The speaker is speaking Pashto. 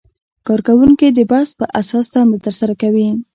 کارکوونکي د بست په اساس دنده ترسره کوي.